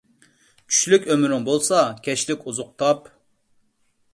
چۈشلۈك ئۆمرۈڭ بولسا، كەچلىك ئوزۇق تاپ.